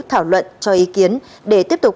thảo luận cho ý kiến để tiếp tục